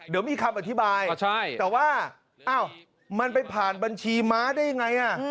เดี๋ยวมีคำอธิบายแต่ว่าอ้าวมันไปผ่านบัญชีม้าได้ยังไง